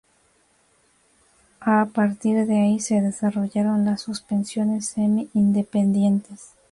A partir de ahí se desarrollaron las suspensiones semi-independientes.